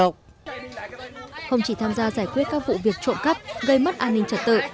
không chỉ tham gia giải quyết các vụ việc trộm cắp gây mất an ninh trật tự